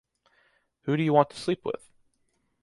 who do you want to sleep with?